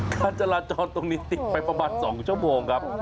การจราจรตรงนี้ติดไปประมาณ๒ชั่วโมงครับ